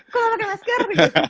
kok lo pakai masker